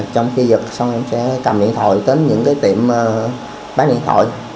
trong khi giật xong em sẽ cầm điện thoại đến những tiệm bán điện thoại